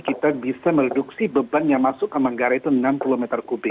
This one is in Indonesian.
kita bisa mereduksi beban yang masuk ke manggarai itu enam puluh meter kubik